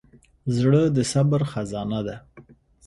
زړه د صبر خزانه ده.